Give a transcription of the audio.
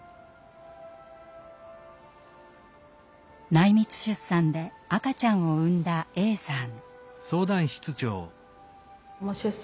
内密出産で赤ちゃんを産んだＡさん。